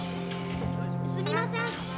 すみません。